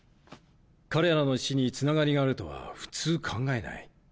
彼らの死につながりがあるとは普通考えない。